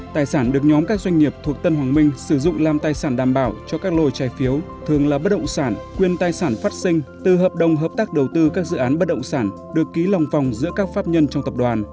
tài sản được nhóm các doanh nghiệp thuộc tân hoàng minh sử dụng làm tài sản đảm bảo cho các lô trái phiếu thường là bất động sản quyền tài sản phát sinh từ hợp đồng hợp tác đầu tư các dự án bất động sản được ký lòng phòng giữa các pháp nhân trong tập đoàn